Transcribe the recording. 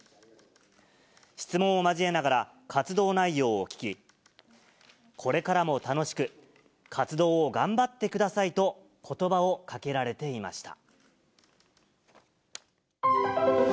質問を交えながら活動内容を聞き、これからも楽しく、活動を頑張ってくださいとことばをかけられていました。